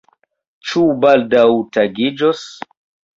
Ĉu baldaŭ tagiĝos?